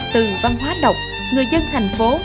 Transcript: từ văn hóa độc người dân thành phố